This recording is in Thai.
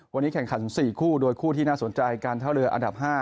วันนี้แข่งขัน๔คู่โดยคู่ที่น่าสนใจการท่าเรืออันดับ๕